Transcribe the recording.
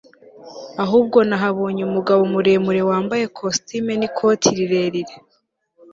ahubwo nahabonye umugabo muremure wambaye costume nikote rirerire